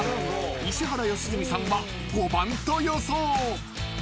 ［石原良純さんは５番と予想］